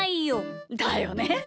だよね。